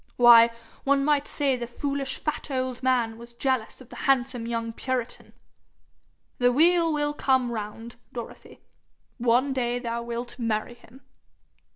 Why, one might say the foolish fat old man was jealous of the handsome young puritan! The wheel will come round, Dorothy. One day thou wilt marry him.'